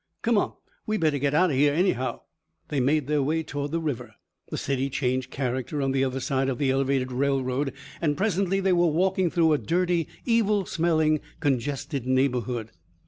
"Come on. We better get out of here anyhow." They made their way toward the river. The city changed character on the other side of the elevated railroad, and presently they were walking through a dirty, evil smelling, congested neighborhood.